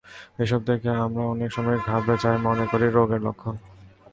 এসব দেখে আমরা অনেক সময় ঘাবড়ে যাই, মনে করি রোগের লক্ষণ।